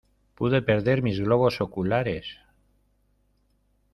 Pude perder mis globos oculares...